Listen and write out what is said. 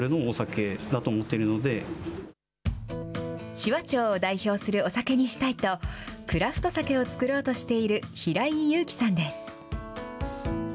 紫波町を代表するお酒にしたいと、クラフトサケを造ろうとしている平井佑樹さんです。